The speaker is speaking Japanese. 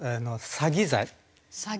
詐欺罪。